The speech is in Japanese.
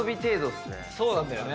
そうなんだよね。